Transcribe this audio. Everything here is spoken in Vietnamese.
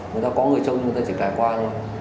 người ta có người trông người ta chỉ cài qua thôi